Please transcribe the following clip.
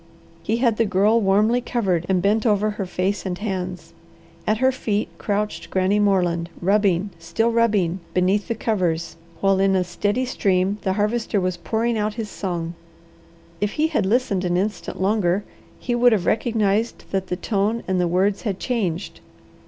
He had the Girl warmly covered and bent over her face and hands. At her feet crouched Granny Moreland, rubbing, still rubbing, beneath the covers, while in a steady stream the Harvester was pouring out his song. If he had listened an instant longer he would have recognized that the tone and the words had changed.